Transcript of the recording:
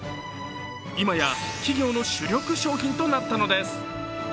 今や、企業の主力商品となったのです。